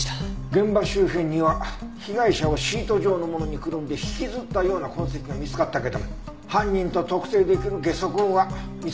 現場周辺には被害者をシート状のものにくるんで引きずったような痕跡が見つかったけど犯人と特定できるゲソ痕は見つからなかったよ。